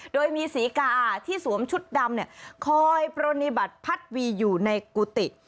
โดยมีศรีกาที่สวมชุดดำคอยปรณีบัติพัดวีอยู่ในกุฏิ